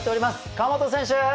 川本選手！